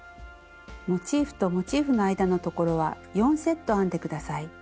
モチーフとモチーフの間のところは４セット編んで下さい。